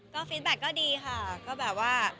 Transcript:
ก็ฟิตแบ็คก็ดีค่ะก็แบบว่า